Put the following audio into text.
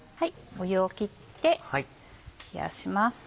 湯を切って冷やします。